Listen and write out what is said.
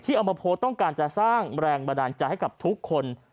เอามาโพสต์ต้องการจะสร้างแรงบันดาลใจให้กับทุกคน